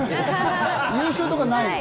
優勝とかないの。